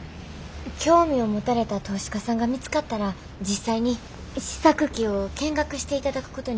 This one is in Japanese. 興味を持たれた投資家さんが見つかったら実際に試作機を見学していただくことになると思います。